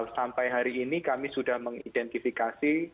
sampai hari ini kami sudah mengidentifikasi